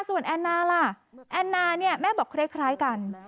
ส่วนแอนนาล่ะแอนนาเนี่ยแม่บอกคล้ายกัน